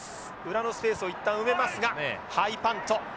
裏のスペースを一旦埋めますがハイパント。